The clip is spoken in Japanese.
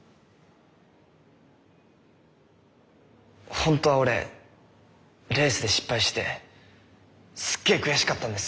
ほんとは俺レースで失敗してすっげえ悔しかったんです。